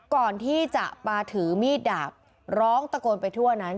ก่อนที่จะมาถือมีดดาบร้องตะโกนไปทั่วนั้น